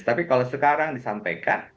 tapi kalau sekarang disampaikan